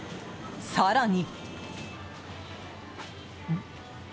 更に。